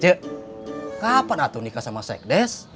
cik kapan atun nikah sama sekdes